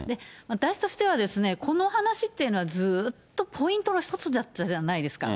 私としては、この話っていうのは、ずっとポイントの一つだったじゃないですか。